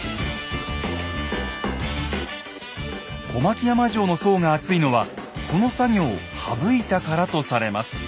小牧山城の層が厚いのはこの作業を省いたからとされます。